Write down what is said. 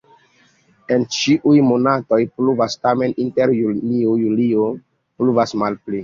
En ĉiuj monatoj pluvas, tamen inter junio-julio pluvas malpli.